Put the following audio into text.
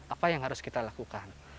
apa yang harus kita lakukan